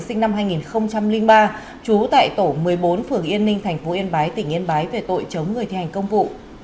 sinh năm hai nghìn ba trú tại tổ một mươi bốn phường yên ninh tp yên bái tỉnh yên bái về tội chống người thi hành công vụ